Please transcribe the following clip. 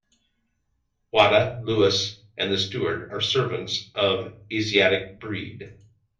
Wada, Louis, and the steward are servants of Asiatic breed.